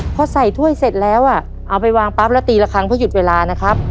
พอใส่ถ้วยเสร็จแล้วอ่ะเอาไปวางปั๊บแล้วตีละครั้งเพื่อหยุดเวลานะครับ